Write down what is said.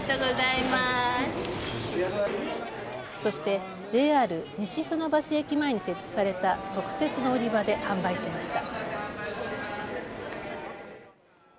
そしてＪＲ西船橋駅前に設置された特設の売り場で販売しました。